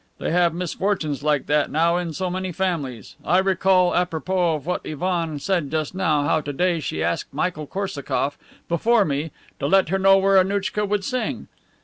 They have misfortunes like that now in so many families. I recall, apropos of what Ivan said just now, how today she asked Michael Korsakoff, before me, to let her know where Annouchka would sing.